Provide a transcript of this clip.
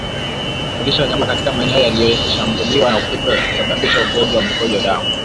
Kulishia wanyama katika maeneo yaliyoshambuliwa na kupe husababisha ugonjwa wa mkojo damu